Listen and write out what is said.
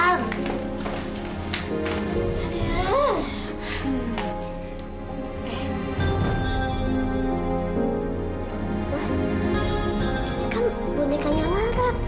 ini kan bonekanya lara